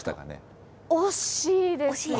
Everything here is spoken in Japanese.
惜しいですよ。